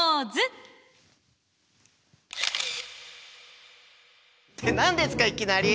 って何ですかいきなり！